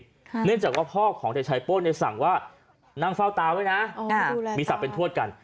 เนื่องจากว่าพ่อของเด็กชายโป้นเนี่ยสั่งว่านั่งเฝ้าตาไว้นะมีศักดิ์เป็นทวดกัน